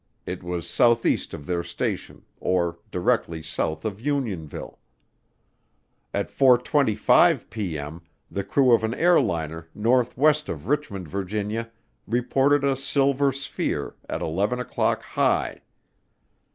It was southeast of their station, or directly south of Unionville. At 4:25P.M. the crew of an airliner northwest of Richmond, Virginia, reported a "silver sphere at eleven o'clock high."